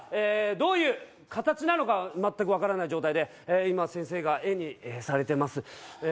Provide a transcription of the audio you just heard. どういう形なのか全く分からない状態で今先生が絵にされてますえ